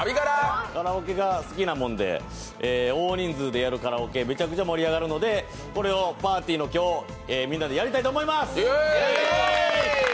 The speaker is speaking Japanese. カラオケが好きなもんで大人数でやるカラオケ、めちゃくちゃ盛り上がるのでこれをパーティーの今日、みんなでやりたいと思います。